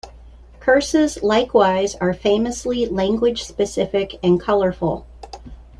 Curses likewise are famously language-specific and colourful.